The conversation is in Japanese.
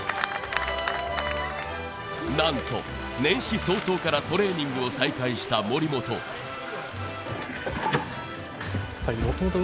何と年始早々からトレーニングを再開した森本ＳＡＳＵＫＥ